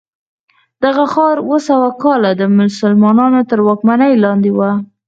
دغه ښار اوه سوه کاله د مسلمانانو تر واکمنۍ لاندې و.